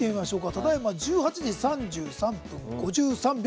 ただいま１８時３３分５３秒。